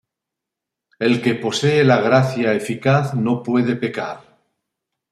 El que posee la gracia eficaz no puede pecar.